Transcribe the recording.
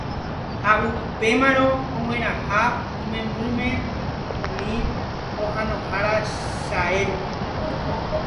ha upémarõ ogueraha imembymime umi pohãnohára chae rupi.